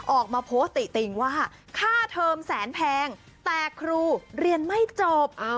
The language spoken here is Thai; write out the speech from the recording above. ออกมาโพสต์ติติงว่าค่าเทอมแสนแพงแต่ครูเรียนไม่จบ